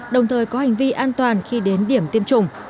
đồng thời có hành vi an toàn khi đến điểm tiêm chủng